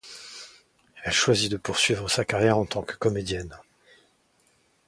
Elle choisit de poursuivre sa carrière en tant que comédienne.